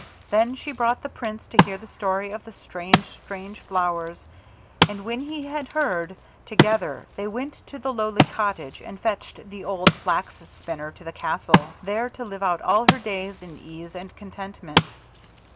Then she brought the Prince to hear the story of the strange, strange flowers, and when he had heard, together they went to the lowly cottage and fetched the old Flax spinner to the castle, there to live out all her days in ease and contentment.